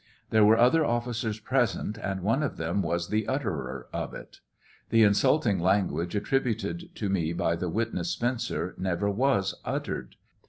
There wen other officers present, and one of them was the utterer of it. The insultinj language attributed to me by the witness Spencer never was uttered.